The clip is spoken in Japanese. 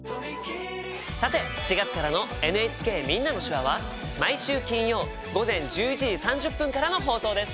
さて４月からの「ＮＨＫみんなの手話」は毎週金曜午前１１時３０分からの放送です。